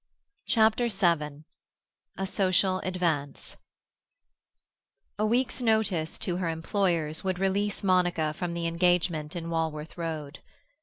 CHAPTER VII A SOCIAL ADVANCE A week's notice to her employers would release Monica from the engagement in Walworth Road.